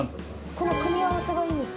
この組み合わせがいいんですか。